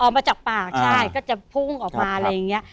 มาจากปากใช่ก็จะพุ่งออกมาอะไรอย่างนี้